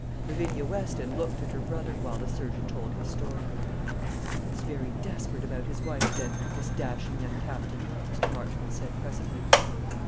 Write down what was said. Lavinia Weston looked at her brother while the surgeon told his story. "He is very desperate about his wife, then, this dashing young captain?" Mr. Marchmont said, presently.